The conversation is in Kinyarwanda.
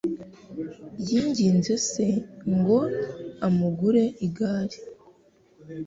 Yinginze se ngo amugure igare.